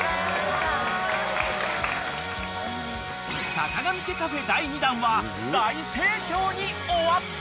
［さかがみ家カフェ第２弾は大盛況に終わった］